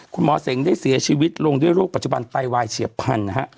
เสงได้เสียชีวิตลงด้วยโรคปัจจุบันไตวายเฉียบพันธุ์นะฮะ